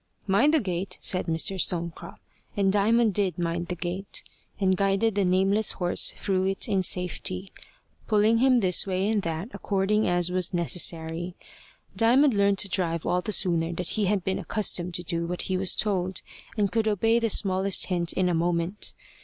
"Mind the gate," said Mr. Stonecrop; and Diamond did mind the gate, and guided the nameless horse through it in safety, pulling him this way and that according as was necessary. Diamond learned to drive all the sooner that he had been accustomed to do what he was told, and could obey the smallest hint in a moment.